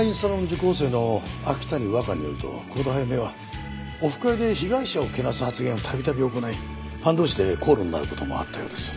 受講生の秋谷和香によると幸田早芽はオフ会で被害者をけなす発言を度々行いファン同士で口論になる事もあったようです。